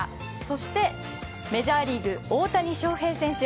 そして、メジャーリーグ大谷翔平選手。